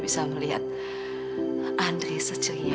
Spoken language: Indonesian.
kalau lihat ini adalah istri saya